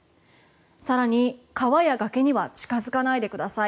更に川や崖には近付かないでください。